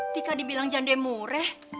tika dibilang jandemureh